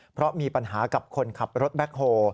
เพราะมีปัญหากับคนขับรถแบ็คโฮ